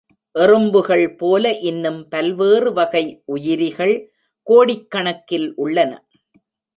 எறும்புகள் போல இன்னும் பல்வேறு வகை உயிரிகள் கோடிக் கணக்கில் உள்ளன.